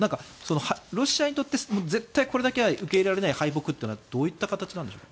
ロシアにとって絶対にこれだけは受け入れられない敗北というのはどういった形なんでしょうか。